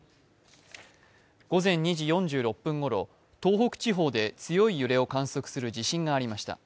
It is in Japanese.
午前２時４６分ごろ、東北地方で強い揺れを観測する地震がありました。